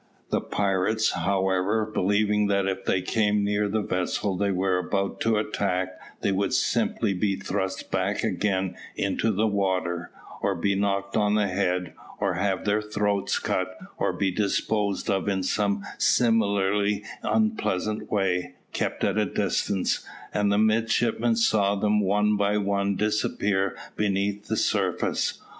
The pirates, however, believing that if they came near the vessel they were about to attack they would simply be thrust back again into the water, or be knocked on the head, or have their throats cut, or be disposed of in some similarly unpleasant way, kept at a distance, and the midshipmen saw them one by one disappear beneath the surface.